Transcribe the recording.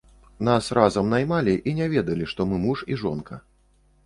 Нас разам наймалі і не ведалі, што мы муж і жонка.